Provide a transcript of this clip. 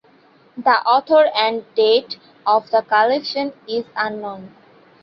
The author and date of the collection is unknown.